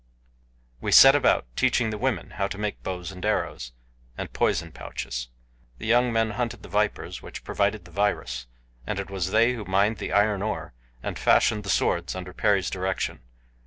We set about teaching the women how to make bows and arrows, and poison pouches. The young men hunted the vipers which provided the virus, and it was they who mined the iron ore, and fashioned the swords under Perry's direction.